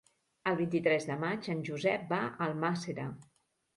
El vint-i-tres de maig en Josep va a Almàssera.